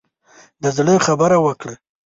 د زړه خبره وکړه.